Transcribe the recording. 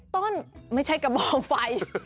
ต้นไม่ใช่กระบองไฟ